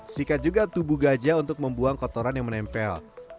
sikat juga tubuh gajah untuk membuang kotoran yang menempel